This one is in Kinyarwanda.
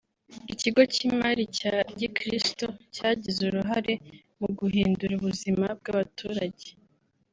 Ikigo cy’imali cya Gikristo cyagize uruhare mu guhindura ubuzima bw’abaturage